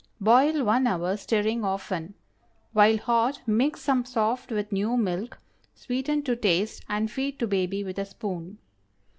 Boil one hour, stirring often. While hot, mix some soft with new milk, sweeten to taste and feed to baby with a spoon.